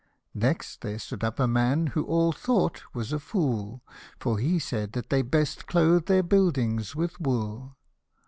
Next there stood up a man who all thought was a fool: For he said they had best clothe their buildings with wool.